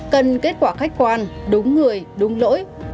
cần kết quả khách quan đúng người đúng lỗi